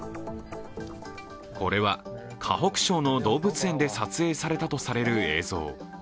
これは河北省の動物園で撮影されたとされる映像。